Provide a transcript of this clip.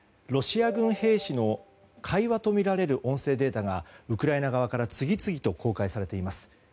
ロシア軍兵士の会話とみられる音声データがウクライナ側から次々と公開されています。